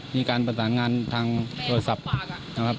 มีการประสานงานทางโทรศัพท์นะครับ